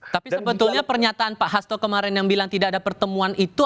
tapi sebetulnya pernyataan pak hasto kemarin yang bilang tidak ada pertemuan itu